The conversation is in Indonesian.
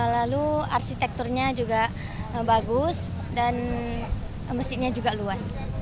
lalu arsitekturnya juga bagus dan mesinnya juga luas